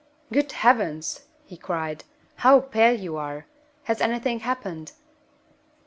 "Good Heavens!" he cried, "how pale you are! Has anything happened?"